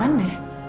sentu kasih rina